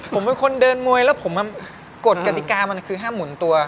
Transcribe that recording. ผมเป็นคนเดินมวยแล้วผมกฎกติกามันคือห้ามหมุนตัว